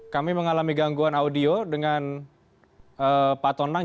kami mengalami gangguan audio dengan pak tonang